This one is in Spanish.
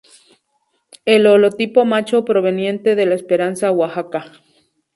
El holotipo macho proveniente de La esperanza Oaxaca.